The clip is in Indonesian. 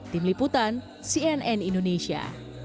tim liputan cnn indonesia